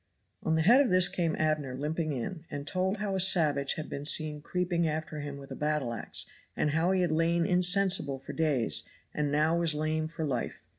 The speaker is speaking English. On the head of this came Abner limping in, and told how a savage had been seen creeping after him with a battle ax, and how he had lain insensible for days, and now was lame for life.